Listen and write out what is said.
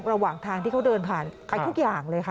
ระหว่างทางที่เขาเดินผ่านไปทุกอย่างเลยค่ะ